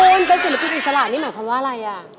คุณเป็นศิลปินอิสระนี่หมายความว่าอะไรอ่ะ